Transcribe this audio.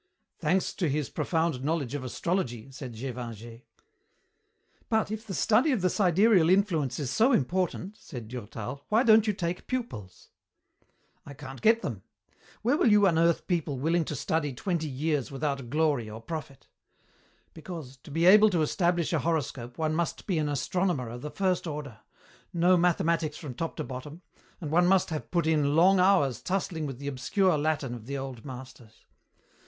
"Thanks to his profound knowledge of astrology," said Gévingey. "But if the study of the sidereal influence is so important," said Durtal, "why don't you take pupils?" "I can't get them. Where will you unearth people willing to study twenty years without glory or profit? Because, to be able to establish a horoscope one must be an astronomer of the first order, know mathematics from top to bottom, and one must have put in long hours tussling with the obscure Latin of the old masters.